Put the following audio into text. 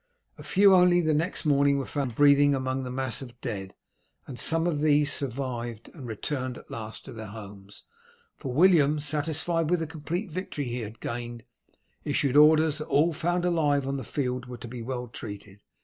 A few only the next morning were found breathing among the mass of dead, and some of these survived and returned at last to their homes: for William, satisfied with the complete victory he had gained, issued orders that all found alive on the field were to be well treated.